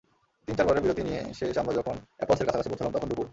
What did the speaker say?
তিন-চারবারের বিরতি নিয়ে শেষ আমরা যখন এপাসলের কাছাকাছি পৌঁছালাম, তখন দুপুর।